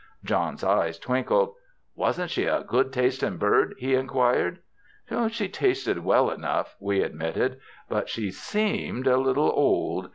John's eyes twinkled. "Wasn't she a good tastin' bird?" he inquired. "She tasted well enough," we admitted, "but she seemed a little old.